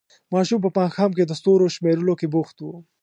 ماشوم په ماښام کې د ستورو شمېرلو کې بوخت وو.